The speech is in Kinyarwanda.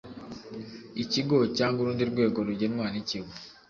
Ikigo cyangwa urundi rwego rugenwa n Ikigo